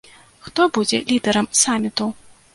Хто будзе лідэрам саміту?